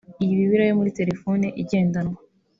Iyi Bibiliya yo muri telefone igendanwa